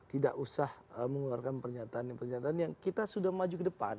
tidak usah mengeluarkan pernyataan pernyataan yang kita sudah maju ke depan